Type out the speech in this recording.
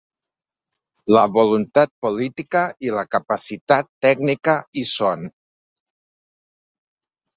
La voluntat política i la capacitat tècnica hi són.